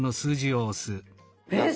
えっ！